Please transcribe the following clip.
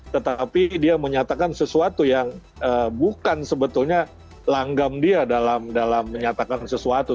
tetapi dia menyatakan sesuatu yang bukan sebetulnya langgam dia dalam menyatakan sesuatu